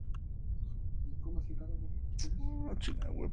En un principio, Mr.